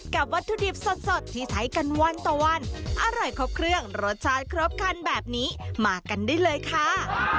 วัตถุดิบสดที่ใช้กันวันต่อวันอร่อยครบเครื่องรสชาติครบคันแบบนี้มากันได้เลยค่ะ